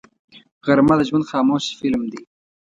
غرمه د ژوند خاموش فلم دی